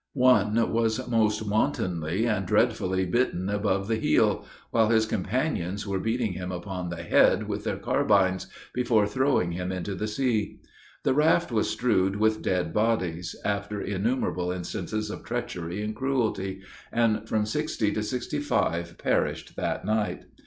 One was most wantonly and dreadfully bitten above the heel, while his companions were beating him upon the head with their carbines, before throwing him into the sea. The raft was strewed with dead bodies, after innumerable instances of treachery and cruelty; and from sixty to sixty five perished that night.